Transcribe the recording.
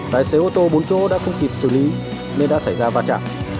tài xế ô tô bốn chỗ đã không kịp xử lý nên đã xảy ra va chạm